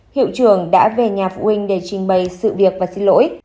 hiệu trưởng đã về nhà phụ huynh để trình bày sự việc và xin lỗi